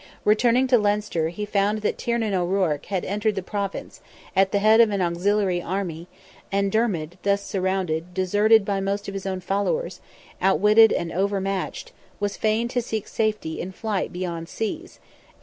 Returning to Leinster, he found that Tiernan O'Ruarc had entered the province, at the head of an auxiliary army, and Dermid, thus surrounded, deserted by most of his own followers, outwitted and overmatched, was feign to seek safety in flight beyond seas (A.